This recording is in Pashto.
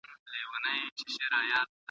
ویښتې باید په آرامه ډول وچ شي.